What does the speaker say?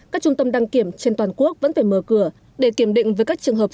các trung tâm đăng kiểm trên toàn quốc vẫn phải mở cửa để kiểm định với các trường hợp